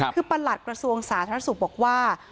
คือประหลัดกระทรวงสาธารณสุขบอกว่า